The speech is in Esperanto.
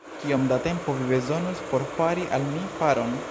Kiom da tempo vi bezonus por fari al mi paron?